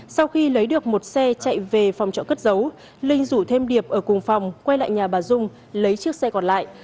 sau khi lấy được một xe chạy về phòng trọ cất giấu linh rủ thêm điệp ở cùng phòng quay lại nhà bà dung lấy chiếc xe còn lại